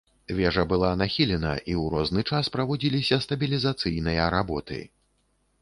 Вежа была нахілена, і ў розны час праводзіліся стабілізацыйныя работы.